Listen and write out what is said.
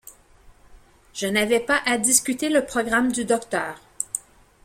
Je n’avais pas à discuter le programme du docteur.